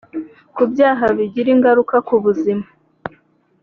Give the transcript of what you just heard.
ku byaha bigira ingaruka ku buzima